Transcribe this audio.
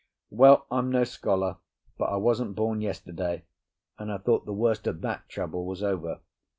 Well, I'm no scholar, but I wasn't born yesterday, and I thought the worst of that trouble was over.